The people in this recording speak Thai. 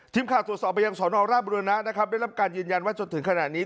ทีมข้าวตรวจสอบไปยังสอนรอบรุณนะได้รับการยืนยันว่าจนถึงขนาดนี้